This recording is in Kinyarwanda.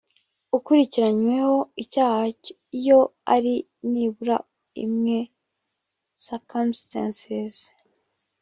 ukurikiranyweho icyaha iyo hari nibura imwe circumstances